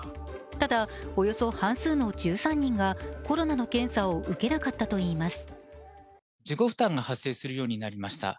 ただ、およそ半数の１３人がコロナの検査を受けなかったといいます。